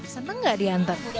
seneng gak diantar